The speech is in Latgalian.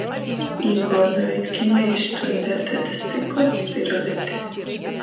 Īguodojit, kimejis stuņdē — taida stykla spiraleite...